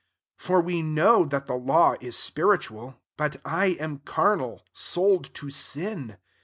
14 For we know that the law is spiritual: but I am carnal, sold to sin.